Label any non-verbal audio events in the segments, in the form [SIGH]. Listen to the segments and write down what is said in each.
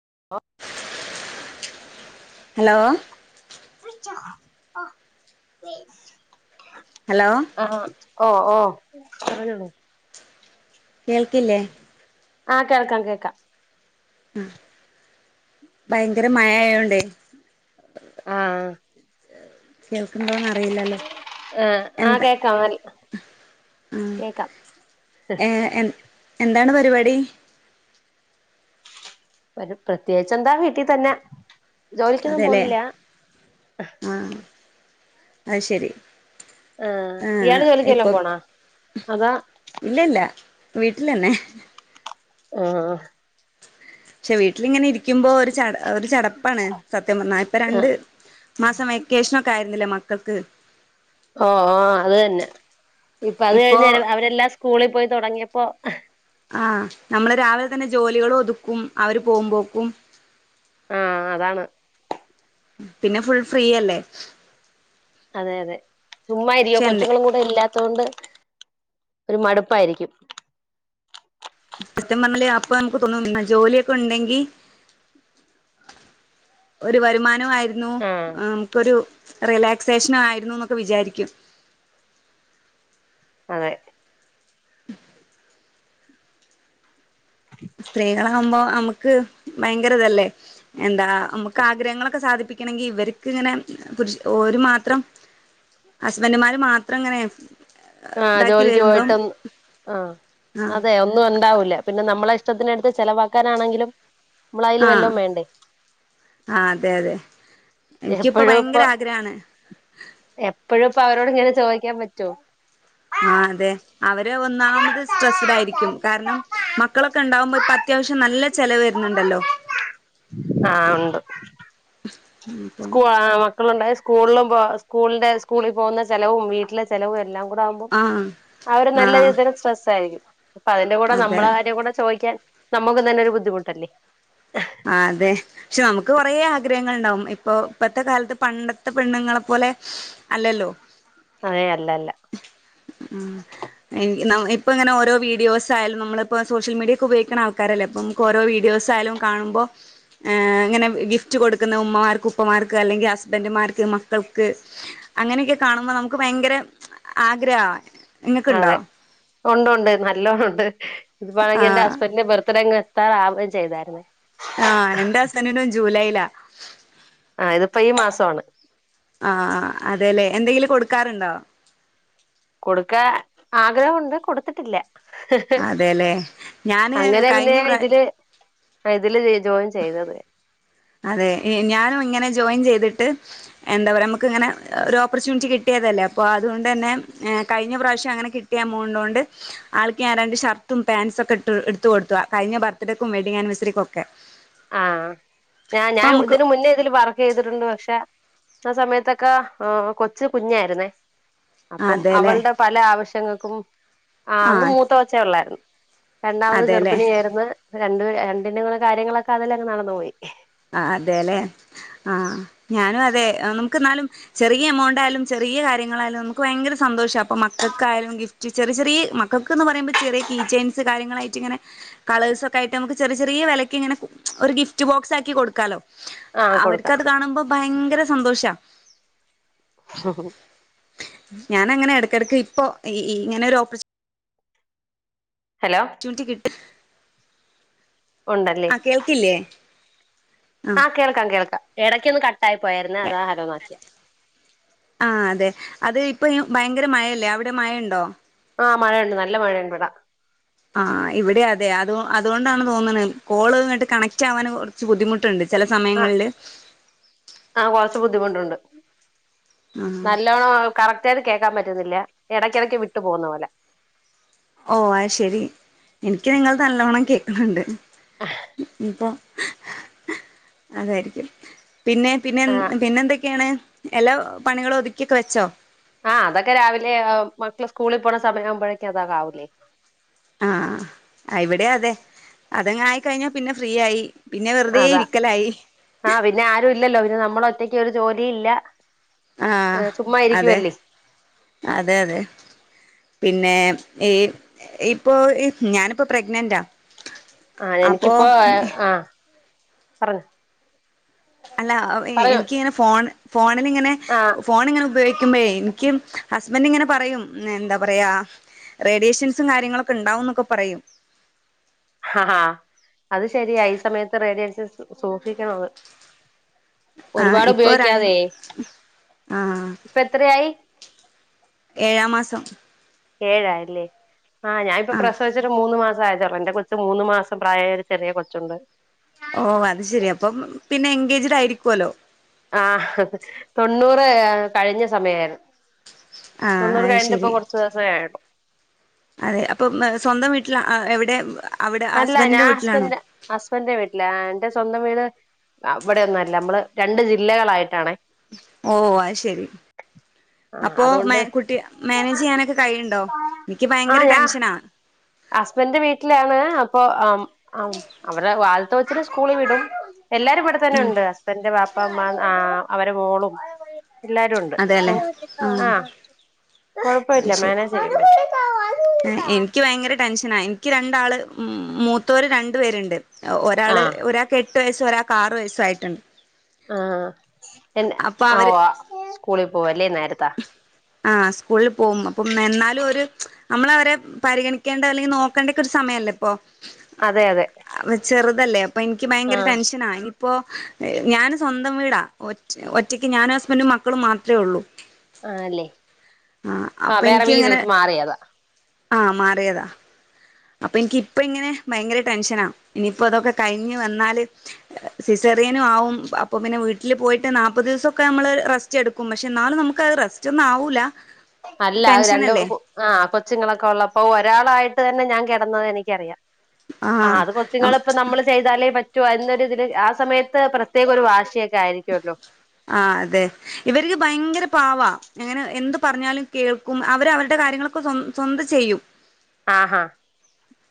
[INAUDIBLE] Hello hello ആ ഓ ഓ. [UNINTELLIGIBLE] കേൾക്കില്ലേ? ആ കേൾക്കാം കേക്കാം. മ് ഭയങ്കരം മയ ആയോണ്ടേ. ആ കേൾക്കുണ്ടോന്ന് അറിയില്ലല്ലോ ആ ആ എന്താ കേക്കാ നൽ ആ കേക്കാം ഹ്. ഏ എ എന്താണ് പരിപാടി? ഒരു പ്രത്യേച്ചെന്താ വീട്ടി തന്നെ. ജോലിക്കൊന്നും അതെല്ലേ പോണില്ല. അയ് ശെരി. ആഹ് ആ ഇയാള് ഇപ്പൊ ജോലിക്കെല്ലാം പോണോ അതാ ഇല്ലല്ല. വീട്ടിലെന്നെ. ആ ക്ഷെ വീട്ടിലിങ്ങനെ ഇരിക്കുമ്പോ ഒരു ചട് ഹ് ഒരു ചടപ്പാണ് സത്യം പർഞാ ഇപ്പൊ രണ്ട് ആഹ് മാസം വെക്കേഷനക്കെ ആയിരുന്നില്ലേ മക്കക്ക്. ഓ ഓ അത് തന്നെ ഇപ്പൊ അത് ഇപ്പോ കഴിഞ്ഞ് അവരെല്ലാം സ്കൂളിൽ പോയി തുടങ്ങിയപ്പോ. ആ നമ്മള് രാവിലെ തന്നെ ജോലികളും ഒതുക്കും അവര് പോകുമ്പോക്കും. ആ അതാണ്. പിന്നെ ഫുൾ ഫ്രീയല്ലേ. അതെ അതെ ചുമ്മാ ഇരിയോ എന്ത് കൊച്ചുങ്ങളും കൂടെ ഇല്ലാതെ. അതൊണ്ട് ഒരു മടുപ്പായിരിക്കും. [UNINTELLIGIBLE] പറഞ്ഞാല് അപ്പൊ നമുക്ക് തോന്നും [UNINTELLIGIBLE] ജോലിയൊക്കെ ഉണ്ടെങ്കി. ഒരു വരുമാനം ആയിരുന്നു ആഹ് നമുക്കൊരു. റിലാക്സേഷനും ആയിരുന്നു എന്നൊക്കെ വിചാരിക്കും. അതെ. സ്ത്രീകളാവുമ്പോ നമക്ക് ഭയങ്കരതല്ലേ. എന്താ നമുക്ക് ആഗ്രഹങ്ങളൊക്കെ സാധിപ്പിക്കണെങ്കി ഇവർക്ക് ഇങ്ങനെ പുര്ഷ് ഒരു മാത്രം. ഹസ്ബന്റുമാര് മാത്രം ഇങ്ങനെ. ആ ഇതാക്കി ജോലിക്ക് വരുമ്പം പോയിട്ട് ആ ആ അതെ ഒന്നും ഉണ്ടാവില്ല പിന്നെ നമ്മളെ ഇഷ് ട്ടത്തിന് ചെലവാക്കാനാണെങ്കിലും ഞമ്മളയിൽ ആ വെല്ലും വേണ്ടേ. ആ അതെ അതെ എനിക്കിപ്പോ ഭയങ്കര ആഗ്രഹാണ്. എപ്പോഴും ഇപ്പോ അവരോട് ഇങ്ങനെ ചോദിക്കാൻ പറ്റോ. ആ അതെ അവര് ഒന്നാമത് സ്ട്രെസ്സിലായിരിക്കും കാരണം മക്കളൊക്കെ ഉണ്ടാവുമ്പോ അത്യാ വശ്യം നല്ല ചിലവ് വരുന്നുണ്ടല്ലോ. ആഹ് ഉണ്ട് അപ്പം സ്കൂ മക്കളുണ്ടായ സ്കൂളിലും പോ സ്കൂളിന്റെ സ്കൂളിൽ പോകുന്ന ചിലവും വീട്ടിലെ ചിലവും എല്ലാം. കൂടാവൂമ്പോ ആഹ് അവര് നല്ല ആഹ് രീതിൽ സ്ട്രെസ് ആയിരിക്കും അപ്പ അതിന്റെ കൂടെ അതെ നമ്മളെ കാര്യം കൂടെ ചോദിക്കാൻ. നമുക്കും തന്നെരു ബുദ്ധിമുട്ടല്ലേ. ആ അതെ പക്ഷെ നമുക്ക് കൊറേ ആഗ്രഹങ്ങൾ ഉണ്ടാവും ഇപ്പൊ ഇപ്പത്തെ കാലത്ത് പണ്ടത്തെ പെണ്ണുങ്ങളെപ്പോ ലെ അല്ലല്ലോ. അതേ അല്ല അല്ല. ഇപ്പങ്ങന ഓരോ വീഡിയോസ് ആയാലും നമ്മളിപ്പോ സോഷ്യൽ മീഡിയൊക്കെ ഉപയിക്കുന്ന ആൾക്കാരല്ലേ മ്മക്ക് ഓരോ വീഡോ ആയാലും. കാണുമ്പോ ഇങ്ങനെ ഗിഫ്റ്റ് കൊടുക്കുന്ന ഉമ്മമാർക്ക് ഉപ്പമാർക്ക് അല്ലെങ്കിൽ ഹസ്ബന്ഡുമാർക്ക് മക്കൾ. അങ്ങനെയൊക്കെ കാണുമ്പോ നമുക്ക് ഭയങ്കര ആഗ്രഹാ. ഇങ്ങക്ക്ണ്ടോ അതെ ഉണ്ട് ഉണ്ട് നല്ലോണം ഉണ്ട് ഇത്പ്പാണെങ്കിൽ എന്റെ ആഹ് ഹസ്ബൻഡിന്റെ ബർത്ത് ങ്ങെ എത്താറാവുകയും ചെയ്തായിരുന്നേ. ആഹ എന്റഹസ്ബൻഡിന്റും ജൂലൈയിലാ. ആഹ ഇതിപ്പോ ഈ മാസാണ്. ആഹ ആ അതെല്ലേ എന്തെങ്കിലും കൊടുക്കാറുണ്ടോ? കൊടുക്കാ ആഗ്രഹമുണ്ട് കൊടുത്തിട്ടില്ല. ഹ് ഹ് അതെല്ലേ ഞാന് അങ്ങനെ പിന്നെ കഴിഞ്ഞ പ്രാ ഇതില്. പ്പോ ഇതില് ജോയിൻ ചെയ്തത്. അതെ ഞാനും ഇങ്ങനെ ജോയിൻ ചെയ്തിട്ട് എന്താ പറയാ നമുക്ക് ഇങ്ങനെ ഒരു ഓപ്പർച്യൂണിറ്റി കിട്ടീ തല്ലേ അപ്പോ അതൊണ്ടന്നെ കഴിഞ്ഞ പ്രാവശ്യം അങ്ങനെ കിട്ടിയാ എമൗണ്ടോണ്ട് ആൾക്ക് ഞാൻ രണ്ട് ഷർട്ട്‌. പാൻസൊക്കെ ഇട്ത്ത് കൊടുത്തു കഴിഞ്ഞ ബർത്ത്ഡേക്കും വെഡിങ്ങ് ആനിവേഴ്സറികൊക്കെ. ആഹ ഞ ഞാൻ ഇതിന് മുന്നേ ഇതിൽ വർക്ക് ചെയ്തിട്ടുണ്ട് പക്ഷെ. ആ സമയത്തൊക്കെ ആ കൊച്ച് കുഞ്ഞായിരുന്നേ അപ്പം അതെല്ലേ അവളുടെ പല ആവശ്യങ്ങൾക്കും ആ അന്ന് മൂത്ത കൊച്ചേ ഒള്ളായിരുന്നു. രണ്ടാമത് അതെല്ലേ ഗർഭിണിയായിരുന്നു രണ്ടു രണ്ടിന്റേം കാര്യങ്ങളൊക്കെ അതിലങ്ങ് നടന്നു പോയി. ആ അതെലെ. ആ ഞാനും അതെ നമുക്ക് എന്നാലും ചെറിയ എമൗണ്ട് ആയാലും ചെറിയ കാര്യങ്ങളായാലും നമുക്ക് ഭയങ്കര സ ന്തോഷ അപ്പൊ മക്കക്കായാലും ഗിഫ്റ്റ് ചെറി ചെറി മക്കൾക്ക് ന്നറിമ്പോ ചെറിയ കീച്ചേൻസ് കാര്യങ്ങളായിട്ട് ഇങ്ങനെ. കളേഴ്സ് ഒക്കായിട്ട് നമുക്ക്ചെറി ചെറി വിലക്കിങ്ങനെ ഒരു ഗിഫ്റ്റ് ബോക്സ് ആയി ക്കി കൊടുക്കാലോ ആഹ് കൊടുക്കാം അവർക്കത് കാണുമ്പോ ഭയങ്കര സന്തോഷാ ഞാനങ്ങനെ ഇടക്കടക്ക് ഇപ്പൊ ഇങ്ങനെ ഒരു ഓപ്പർച് ഹലോ റ്റുണിറ്റി കി ഉണ്ടല്ലേ ആഹ കേൾക്കില്ലേ. ആ ആഹ് കേൾക്കാം കേൾക്കാം ഇടയ്ക്ക ഒന്ന് കട്ട ആയി പോയയിരുന്നേ അതാ ഹലോനാക്കിയെ. ആ അതെ അത് ഇപ്പൊ ഭയങ്കര മഴയല്ലേ അവിടെ മഴയുണ്ടോ? ആഹ് മഴയുണ്ട് നല്ല മഴയുണ്ട് ഇവട. ആ ഇവിടെ അതെ അത് അതുകൊണ്ടാണ് തോന്നണ് കോള് ഇങ്ങട്ട് കണക്റ്റ് ആവാൻ കുറച്ച് ബുദ്ധിമുട്ടുണ്ട്. ചില ആഹ് സമയങ്ങളില്. ആഹ് കുറച്ച് ബുദ്ധിമുട്ടുണ്ട് ആഹ് നല്ലോണം കറക്റ്റ് ആയ കേൾക്കാൻ പറ്റുന്നില്ല ഇടക്കിടക്ക് വിട്ടു പോകുന്ന പോലെ ഓ അ ശെരി എനിക്ക് നിങ്ങൾ നല്ലവണം കേക്കുന്നുണ്ട് ഇപ്പൊ അതായിരിക്കും പിന്നെ പിന്നെ ആഹ് പിന്നെ എന്തൊക്കെയാണ് എല്ലാ പണികളും ഒതുക്കിയൊക്കെ വെച്ചോ ആഹ അതൊക്കെ രാവിലെ മക്കള് സ്കൂളിൽ പോണ സമയം ആകുമ്പോഴേക്കും അതാവൂലേ ആഹ ഇവിടെ അതെ അതെങ്ങ ആയിക്കഴിഞ്ഞ പിന്നെ ഫ്രീ ആയി പിന്നെ വെറുതെ അതാ ഇരിക്കലായി ആഹ പിന്നെ ആരും ഇല്ലല്ലോ പിന്നെ നമ്മള ഒറ്റക്ക് ഒരു ജോലി ഇല്ല ആഹ അതെ അതെ അതെ പിന്നെ ഏ ഇപ്പൊ ഞാനിപ്പോ പ്രഗ്നന്റാ ആ അപ്പോ എനിക്കിപ്പോ ആഹ പറ അല്ല എനിക്കിങ്ങനെ ഫോൺ ഫോണിലിങ്ങനെ ആഹ് ഫോണിങ്ങനെ ഉപയോഗിക്കുമ്പോ ക്കും ഹസ്ബൻഡ് ഇങ്ങനെ പറയും എന്താ പറയാ റേഡിയേഷൻസും കാര്യങ്ങളൊക്കെ ഉണ്ടാവുംന്നൊക്കെ പറയും ആഹാ അത് ശരിയാ ഈ സമയത്ത് റേഡിയൻസ് സൂക്ഷിക്കണത് ആ ഒരുപാട് ഇപ്പൊ രണ്ട് ഉപയോഗിക്കാതെ ആ ഇപ്പ എത്രയായി ഏഴാം മാസം ഏഴാഴല്ലേ ആഹ ഞാനിപ്പോ ആ പ്രസവിച്ചിട്ട് മൂന്ന് മാസം [UNINTELLIGIBLE] എന്റെ കൊച്ച് മൂന്നു മാസം പ്രായായ ഒരു ചെറിയ കൊച്ചുണ്ട് ഓ അത് ശെരി അപ്പം പിന്നെ എൻഗേജഡ് ആയിരിക്കുവല്ലോ ആ തൊണ്ണൂറ് കഴിഞ്ഞ സമയായിരുന്നു ആ തൊണ്ണൂറ് അത് കഴിഞ്ഞിട്ട് ഇപ്പൊ ശരി കൊറച്ചു ദിവസം ആയൊളൂ അതെ അപ്പൊ സ്വന്തം വീട്ടിൽ എവിടെ അവിടെ അല്ല ഹസ്ബൻഡിന്റെ ഞാൻ വീട്ടിലാണോ ഹസ്ബൻന്റെ ഹസ്ബൻന്റെ വീട്ടില എന്റെ സ്വന്തം വീട് അവിടെൊന്നല്ല നമ്മള് രണ്ട് ജില്ലകളായിട്ടാാണ് ഓ അ ശരി ആ അപ്പോ അതുകൊണ്ട് കുട്ടി മാനേജ് ചെയ്യാനൊക്കെ കഴിയുണ്ടോ എനിക്ക് ആ ഭയങ്കര ഞാൻ ടെൻഷനാ ഹസ്ബൻന്റെ വീട്ടിലാണ് അപ്പൊ ആ അവടെ വാലത്ത വച്ചി സ്കൂളിൽ വിടും എല്ലാരും ഇവിടെത്തന്നെ ഉം ഉണ്ട് ഹസ്ബൻഡന്റെ പാപ്പ അമ്മ ആ അവരെ മോളും എല്ലാരും ഉണ്ട് അതെല്ലേ ആഹ് ആ അത് കൊഴപ്പല്ല ശരി മേനേജ് ശരിക്ക് എനിക്ക് ഭയങ്കര ടെൻഷനാ എനിക്ക് രണ്ടാള് മൂത്തവര് രണ്ടു പേരുണ്ട് ആ ഒരാള് ഒരാൾക്ക് എട്ട് വയസ് ഒരാൾക്ക് ആറു വയസ്സു ആയിട്ടുണ്ട് ആഹ് എ അപ്പൊ ആ അവര് സ്കൂളിൽ പോവല്ലേ നേരത്താ ആ സ്കൂളിൽ പോവും അപ്പം എന്നാലും ഒരു നമ്മള് അവരെ പരിഗണിക്കേണ്ട അല്ലെങ്കിൽ നോക്കേണ്ടക്കെ ഒരു സമയല്ല അല്ലപ്പോ അതെ അതെ അതല്ലേ അപ്പ എനിക്ക് ആ ഭയങ്കര ടെൻഷനാ ഇനിയിപ്പോ ഞാാന് സ്വന്തം വീടാ ഒ ഒറ്റയ്ക്ക് ഞാനും ഹസ്ബൻറും മക്കളും മാത്രമേ ഉള്ളൂ ആല്ലേ ആഹ് ആ അപ്പൊ വേറെ വീട് എനിക്കിങ്ങനെ എടുത്ത് മാറിയാതാ ആഹ് മാറിയതാ അപ്പൊ എനിക്ക് ഇപ്പ ഇങ്ങനെ ഭയങ്കര ടെൻഷന ഇനിയിപ്പോ അതൊക്കെ കഴിഞ്ഞു വന്നാല് സിസേ എറിയനും അപ്പോൾ പിന്നെ വീട്ടിൽ പോയിട്ട് നാല്പ്പത് ദിവസമക്കെ നമ്മൾ റസ്റ്റ് എടുക്കും പക്ഷെ എന്നാലും നമുക്ക്ത് റസ്റ്റ് ആവൂല അല്ല രണ്ട് ടെൻഷനല്ലേ ആ കൊച്ചുങ്ങളൊക്കെ ഉള്ളപ്പോ ഒരാളായിട്ട് തന്നെ ഞാൻ കിടന്ന എനിക്കറിയാം ആ ആഹ് അത് കൊച്ചുങ്ങ ഇപ്പ ആഹ് നമ്മള് ചെയ്താലേ റ്റൊ ഇതില് ആ സമയത്ത് പ്രത്യേക ഒരു വാശിയൊക്കെ ആയിരിക്കുമല്ലോ ആ അതെ ഇവർക്ക് ഭയങ്കര പാവാ അങ്ങനെ എന്ത് പറഞ്ഞാലും കേൾക്കും അവര് അവരുടെ കാര്യങ്ങളൊക്കെ സ്വ സ്വന്തം ചെയ്യും ആഹ്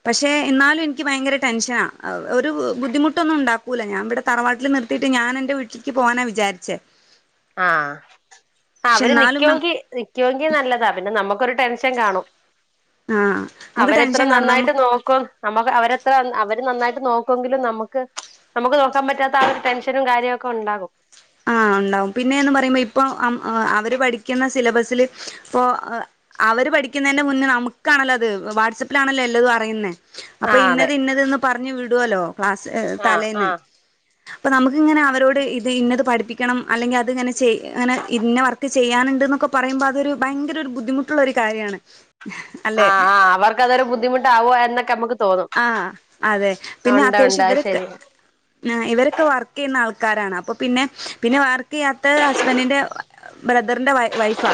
പക്ഷെ എന്നാലും എനിക്ക് ഭയങ്കര ടെൻഷന ഒരു ബുദ്ധിമുട്ടൊന്നും ഉണ്ടാക്കൂല ഞാൻ ഇവിടെ തറവാട്ടിൽ നിർത്തിട്ട് ഞാൻ എന്റെ വീട്ടിലേക്ക് പോകാനാ വിചാരിച്ചേ പക്ഷെ അവര് എന്നാലും നിക്കൊങ്കി നിക്കൊങ്കി നല്ലതാ പിന്നെ നമുക്കൊരു ടെൻ ൻ കാണും ആഹ് നമുക്ക് അവരെത്ര ടെൻഷൻ കാണും നമു നന്നായിട്ട് നോക്കും നമുക്ക് അവരെത്ര അവര് നന്നായിട്ട് നോക്കുമെങ്കിലും നമക്ക് നമുക്ക് നോക്കാൻ പറ്റാത്ത ആ ഒരു ടെൻഷനും കാര്യ ഒക്കെ ഉണ്ടാകും ആ ഉണ്ടാവും പിന്നെയന്ന് പറയുമ്പോ ഇ പ്പോ അവര് പഠിക്കുന്ന സിലബസില് ഇപ്പോ അവര് പഠിക്കുന്നതിന്റെ മുന്നെ നമുക്ക് ആണല്ലോ അത് വാട്സആപ്പിലാണല്ലോല്ലത് അറിയുന്നേ ആ അപ്പൊ അതെ ഇന്നത് ഇന്നതന് പറഞ്ഞ് വിടുല്ലോ ക്ലാസ് ആ ആ തലേന്ന് അപ്പൊ നമുക്ക് ഇങ്ങനെ അവരോട് ഇത് ഇന്നത് പഠിപ്പിക്കണം അല്ലെങ്കിൽ അത്ങ്ങനെ ചെയ അങ്ങനെ ഇന്ന വർക്ക് ചെയ്യാനുണ്ട് എന്നൊക്കെ പറയുമ്പോൾ അതൊ ഭയങ്കര ഒരു ബുദ്ധിമുട്ട് ട്ടുള്ള ഒരു കാര്യമാണ് ആ ആ അവർക്ക് അതൊരു ബുദ്ധിമുട്ട ആവൂ മാ എന്നൊക്കെ നമുക്ക് തോന്നും ആ അതെ പിന്നെ ഉണ്ട് ഉണ്ട് അത്യാവശ്യം അത് ഇവരൊക്കെ ശരി ആ ഇവരൊക്കെ വർക്ക് ചെയ്യുന്ന ആൾക്കാ ക്കാരാണ് അപ്പോ പിന്നെ പിന്നെ വർക്ക് ചെയ്യാത്ത ഹസ്ബൻഡിൻ്റെ ബ്രദറിന്റെ വൈഫാ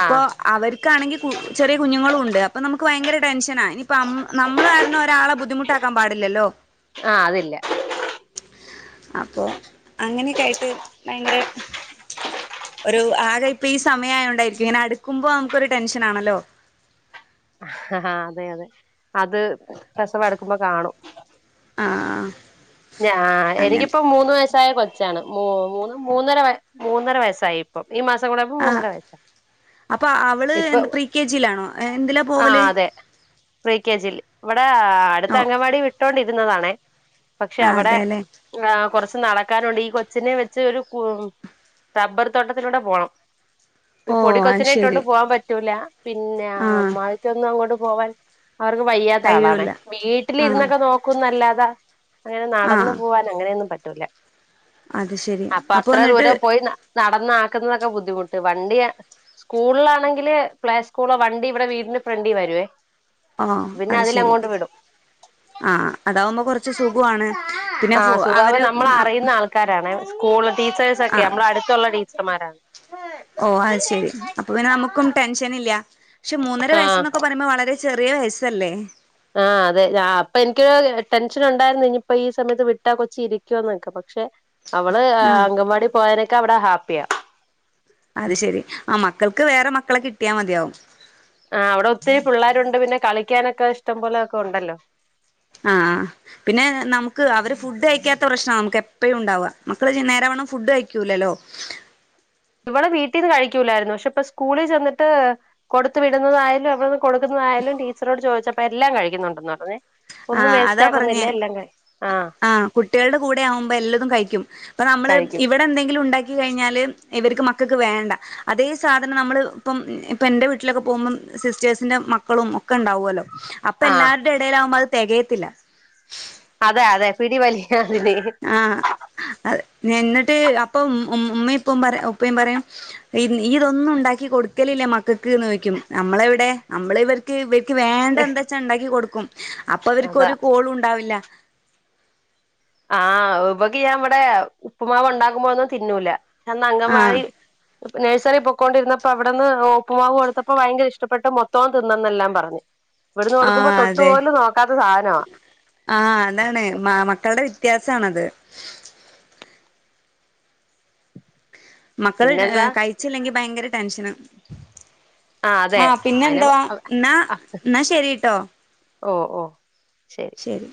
ആ അവർക്കാണെങ്കി കു ചെറിയ കുഞ്ഞുങ്ങളും ണ്ട് അപ്പൊ നമുക്ക് ഭയങ്കര ടെൻഷനാ ഇനിയിപ്പ നമ്മള് കാരണം ഒരാളെ ബുദ്ധിമുട്ടാക്കാൻ പാടില്ലല്ലോ ആ അതില്ല അപ്പോൾ അങ്ങനെയൊക്കൊയിട്ട് ഭയങ്കര ഒരു ആകെ ഇപ്പൊ ഈ സമയ ആയോണ്ടായിരിക്കും ഇങ്ങനെ അടുക്കുമ്പോ നമുക്കൊരു ടെൻഷൻ ആണല്ലോ ആ അതെ അതെ അത് പ്രസവ അ ടുക്കുമ്പോ കാണും ആ ആ ഞ എനിക്കിപ്പോ മൂന്ന് വയ സാ യ കൊച്ചാണ് മൂന്ന് മൂന്നര മൂന്നര വയസ്സായി ഇപ്പം ഈ മാസം കൂടെയായപ്പോ ആ മൂന്നര വയസ്സായി അപ്പൊ അവള് ഇപ്പൊ എന്താ പ്രീകെ ജിയിലാണോ ഏ എന്തിലാ പോവല് പ്രീകെജിൽ ഇവിടെ അടുത്ത ഓ അംഗവാടി വിട്ടോണ്ടിരുന്നതാണേ പക്ഷെ അവിടെ അതെല്ലേ കുറച്ച് നടക്കാനുണ്ട് ഈ കൊ ച്ചി നെ വെച്ച് ഒരു റബ്ബർ തോട്ടത്തിലൂടെ പോണം ഓ അത് പൊടിക്കൊച്ചിനെ ഇട്ടൊണ്ട് ശരി പോവാൻ പറ്റൂല പിന്നെ ആഹ് അമ്മാക്ക ഒന്നും അങ്ങോട്ട് പോവാൻ അവർക്ക് വയ്യാത്ത ആളാണെ കഴിയൂല ആഹ് വീട്ടിലിരുന്നൊക്കെ നോക്കുന്നല്ലാതാ അങ്ങനെ നടന്നു ആഹ് പോവാൻ അങ്ങനെയൊന്നും പറ്റൂല അത് ശരി അപ്പൊ അത്ര എന്നിട്ട് ദൂരം പോയി നടന്നാക്കുന്നതൊക്കെ ബുദ്ധിമുട്ട് വണ്ടി സ്കൂളിലാണെങ്കില് പ്ലേ സ്കൂള വണ്ടി ഇവിടെ വീട് ഇന്ന് ഫ്രണ്ടി വരുവേ ഓ പിന്നെ അത് ശരി അതിലങ്ങോട്ട് വിടും ആ അതാവുമ്പോ കുറച്ച് സുഖ ആ സുഖാവ് നമ്മൾറിയുന്ന ആൾക്കാരാണ് സ്കൂള് ടീച്ചേഴ്സ് ഒക്കെ ആഹ് നമ്മൾ അടുത്തുള്ള ടിച്ചേ സമാര ഓ അത് ശരി അപ്പൊ പിന്നെ നമുക്കും ടെൻഷൻ ഇല്ല പക്ഷെ മൂന്നര ആ വയസ് എന്നൊക്കെ പറയുമ്പോ വളരെ ചെറിയ വയസ്സല്ലേ ആ അതെ അപ്പൊ എനിക്കൊരു ടെൻഷൻ ഉണ്ടായിരുന്നു ഇനിയിപ്പോ ഈ സമയത്ത് വിട്ടാ കൊച്ചി ഇരിക്കുവന്നൊക്ക പക്ഷെ അവള് ആഹ് അങ്കൻവാടി പോയാനൊക്കെ അവിടെ ഹാപ്പിയാ അത് ശെരി ആ മക്കൾക്ക് വേറെ മക്കളെ കിട്ടിയാൽ മതിയാവും ആ അവിടെ ഒത്തിരി പിള്ളേരുണ്ട് പിന്നെ കളിക്കാനൊക്കെ ഇഷ്ടം പോലൊക്കെ ഉണ്ടല്ലോ ആ പിന്നെ നമുക്ക് അവര് ഫുഡ് കഴിക്കാത്ത പ്രശ്ന നമുക്ക് എപ്പഴും ഉണ്ടാവുക മക്കള് നേര വ ണം ഫുഡ്‌ കഴിക്കൂലല്ലോ ഇവടെ വീട്ടീന്ന് കഴിക്കൂലായിരുന്നു പക്ഷെ ഇപ്പ സ്കൂളിൽ ചെന്നിട്ട് കൊടുത്തു വിടുന്നതായാലും ഇവിടെന്ന് കൊടുക്കുന്ന യാലും ടീച്ചറോട് ചോദിച്ചപ്പ എല്ലാം കഴിക്കുന്നുണ്ടെന്ന് പറഞ്ഞേ ആ ഒന്നും വേസ്റ്റ് അതാ ആക്കുന്നില്ല പറഞ്ഞെ എല്ലാം കഴി ആഹ് ആ കുട്ടികളുടെ കൂടെ ആവുമ്പോ എല്ലാതും കഴിക്കും അപ്പൊ നമ്മള് കഴിക്കും ഇവിടെ എന്തെങ്കിലും ഉണ്ടാക്കി കഴിഞ്ഞാല് ഇവർക്ക് മക്കൾക്ക് വേണ്ട അതേ സാധനം നമ്മള് ഇപ്പം ഇപ്പൊ എന്റെ വീട്ടിലൊക്കെ പോകുമ്പം സിസ്റ്റേഴ്സിന്റെ മക്കളും ഒക്കെ ണ്ടാവല്ലോ അപ്പൊ എല്ലാ ആഹ് രൂടെ ഇടയിൽ അത് തെകയത്തില്ല അതെ അതെ പിടി വലിയാണ് ആഹ് അത് എന്നിട്ട് അപ്പം ഉമ്മ ഉപ്പയും പറയും ഇതൊന്നും ഉണ്ടാക്കി കൊടുക്കലേ മക്കൾക്ക്നമ്മളെവിടെ നമ്മള ഇവർക്ക് വേണ്ട എന്താ വച്ചാ ഉണ്ടാക്കി കൊടുക്കും അപ്പൊ അതാ അവർക്കൊരു കോളും ഉണ്ടാവില്ല ആഹ് ഇവൾക്ക് ഞാൻ ഇവിടെ ഉപ്പുമാവ് ഉണ്ടാക്കുമ്പോഴൊന്നും തിന്നൂല എന്നാ ആഹ് അംഗൽവാടി- നഴ്സറി [UNINTELLIGIBLE] അവിടെന്ന് പ്പുമാവ് കൊടുത്തപ്പോ ഭയങ്കര ഇഷ്ടപ്പെട്ട് മൊത്തം തിന്നന്നെല്ലാം പറഞ്ഞു ഇവിടുന്ന് കൊടുക്കുമ്പോ ആഹ് അതെ തൊട്ടുപോലും നോക്കാത്ത സാധനമാ വിത്യാസാണിത് മക്കൾ പിന്നെന്താ കഴിച്ചില്ലെങ്കി ഭയങ്കര ടെൻഷൻ ആഹ് അതെ ആഹ അയിനെ പിന്നെന്തോ എന്നാ എന്നാ ശരിട്ടോ ഓ ഓ ശരി